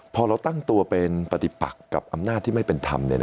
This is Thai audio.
พอเราตั้งตัวเป็นปฏิปักกับอำนาจที่ไม่เป็นธรรม